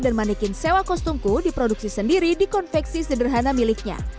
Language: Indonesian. manikin sewa kostumku diproduksi sendiri di konveksi sederhana miliknya